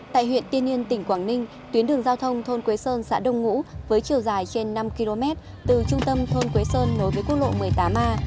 tại huyện tiên yên tỉnh quảng ninh tuyến đường giao thông thôn quế sơn xã đông ngũ với chiều dài trên năm km từ trung tâm thôn quế sơn nối với quốc lộ một mươi tám a